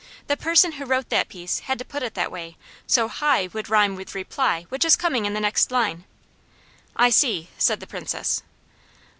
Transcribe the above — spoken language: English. The person who wrote the piece had to put it that way so high would rhyme with reply, which is coming in the next line." "I see!" said the Princess.